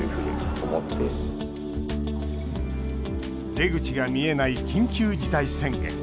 出口が見えない緊急事態宣言。